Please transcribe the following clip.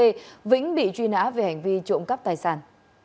chủ tịch truy nã về hành vi trộm cắp tài sản